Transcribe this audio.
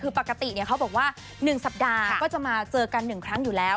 คือปกติเขาบอกว่า๑สัปดาห์ก็จะมาเจอกัน๑ครั้งอยู่แล้ว